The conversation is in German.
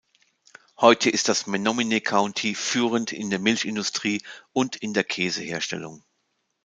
Heute ist das Menominee County führend in der Milchindustrie und in der Käseherstellung.